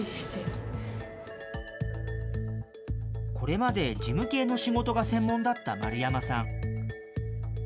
これまで事務系の仕事が専門だった丸山さん。